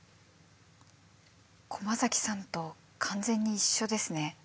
駒崎さんと完全に一緒ですね。